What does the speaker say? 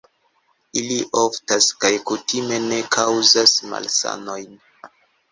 Ili oftas kaj kutime ne kaŭzas malsanojn.